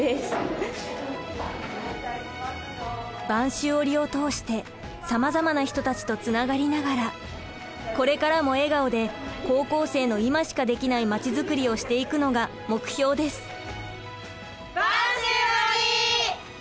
播州織を通してさまざまな人たちとつながりながらこれからも笑顔で高校生のいましかできないまちづくりをしていくのが目標です。